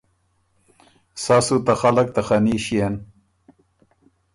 سَۀ سُو ته خلق ته خني ݭيېن۔“